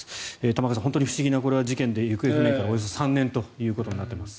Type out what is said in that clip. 玉川さん、本当に不思議な事件で行方不明からおよそ３年となっています。